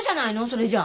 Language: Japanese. それじゃ。